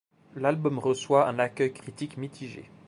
L'album reçoit un accueil critique mitigé.